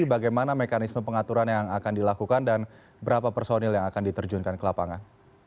bagaimana mekanisme pengaturan yang akan dilakukan dan berapa personil yang akan diterjunkan ke lapangan